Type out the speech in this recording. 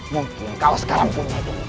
mungkin kau sekarang punya dunia kemuliaan